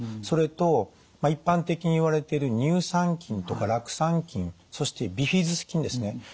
それと一般的にいわれている乳酸菌とか酪酸菌そしてビフィズス菌ですね。